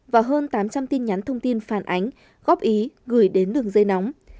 và hơn tám trăm linh tin nhắn thông tin phản ánh góp ý gửi đến đường dây nóng